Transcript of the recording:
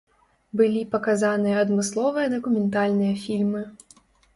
Былі паказаныя адмысловыя дакументальныя фільмы.